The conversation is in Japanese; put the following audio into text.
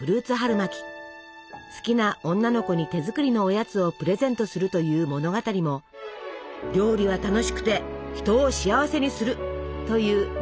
好きな女の子に手作りのおやつをプレゼントするという物語も「料理は楽しくて人を幸せにする」というメッセージの表れ。